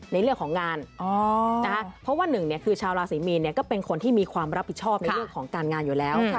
ในเรื่องของงานนะคะเพราะว่าหนึ่งคือชาวราศีมีนก็เป็นคนที่มีความรับผิดชอบในเรื่องของการงานอยู่แล้ว